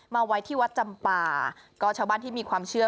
มาไว้ที่วัดจำป่าก็ชาวบ้านที่มีความเชื่อ